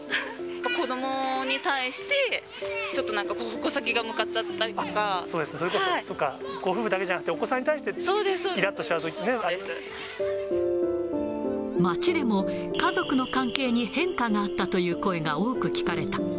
子どもに対して、ちょっとなんか、そうですね、そっか、ご夫婦だけじゃなくて、お子さんに対して、いらっとしちゃうとき街でも、家族の関係に変化があったという声が多く聞かれた。